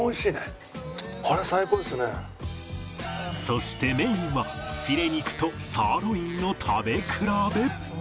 そしてメインはフィレ肉とサーロインの食べ比べ